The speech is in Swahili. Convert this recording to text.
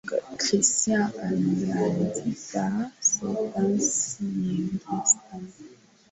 Christian ameandika sentensi nyingi sana.